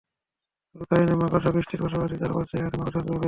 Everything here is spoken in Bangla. শুধু তাই নয়, মাকড়সা বৃষ্টির পাশাপাশি চারপাশ ছেয়ে গেছে মাকড়সার জালে।